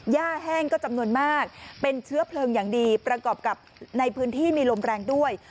แห้งก็จำนวนมากเป็นเชื้อเพลิงอย่างดีประกอบกับในพื้นที่มีลมแรงด้วย